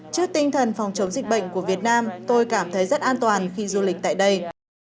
trước tinh thần phòng chống dịch bệnh của việt nam tôi cảm thấy rất an toàn khi du lịch tại đây